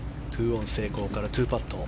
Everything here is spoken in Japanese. ２オン成功から２パット。